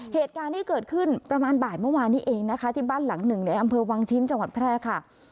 เหตุการณ์ที่เกิดขึ้นประมาณบ่ายเมื่อวานนี้เองนะคะที่บ้านหลังหนึ่งในอำเภอวังชิ้นจังหวัดแพร่ค่ะ